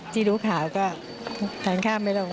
ที่ดูข่าวก็ทางข้ามไม่รู้ว่า